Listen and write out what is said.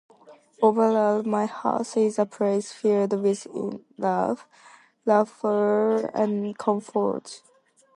Overall, my house is a place filled with love, laughter, and comfort.